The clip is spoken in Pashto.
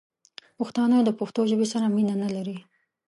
پښتانه دپښتو ژبې سره مینه نه لري